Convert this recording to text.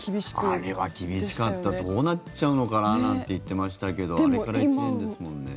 あれは厳しかったどうなっちゃうのかななんて言っていましたけどあれから１年ですもんね。